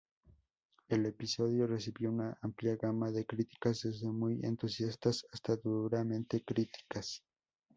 El episodio recibió una amplia gama de críticas, desde muy entusiastas hasta duramente críticas.